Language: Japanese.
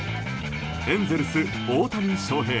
エンゼルス、大谷翔平。